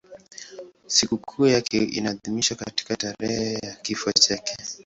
Sikukuu yake inaadhimishwa katika tarehe ya kifo chake.